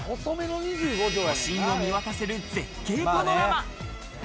都心を見渡せる絶景パノラマ。